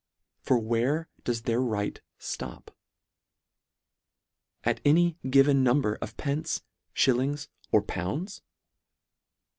For where does their right ftop ? At any gi ven number of pence, (hillings, or pounds